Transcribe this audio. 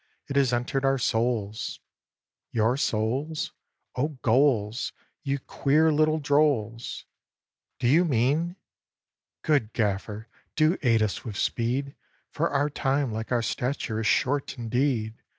it has entered our souls!" " Your souls? O gholes, You queer little drolls! Do you mean ?" "Good Gaffer, do aid us with speed, For our time, like our stature, is short indeed!